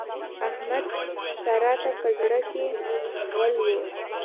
احمد؛ سارا ته په زړ کې غل وو.